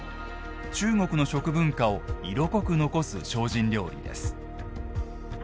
中国の食文化を色濃く残す精進料理です。